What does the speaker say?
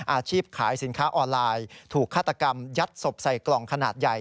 อาชีพขายสินค้าออนไลน์ถูกฆาตกรรมยัดศพใส่กล่องขนาดใหญ่